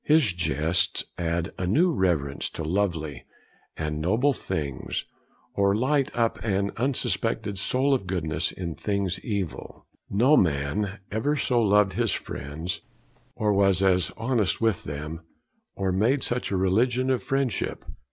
His jests add a new reverence to lovely and noble things, or light up an unsuspected 'soul of goodness in things evil.' No man ever so loved his friends, or was so honest with them, or made such a religion of friendship.